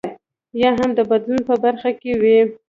یا هم د بدلون په برخه کې وي.